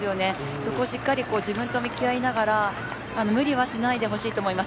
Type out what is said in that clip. そこをしっかり自分と向き合いながら無理はしないでほしいと思います。